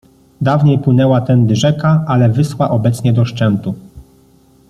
Dawniej płynęła tędy rzeka, ale wyschła obecnie do szczętu.